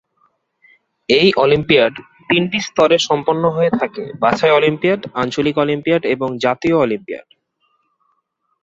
এই অলিম্পিয়াড তিনটি স্তরে সম্পন্ন হয়ে থাকে: বাছাই অলিম্পিয়াড, আঞ্চলিক অলিম্পিয়াড এবং জাতীয় অলিম্পিয়াড।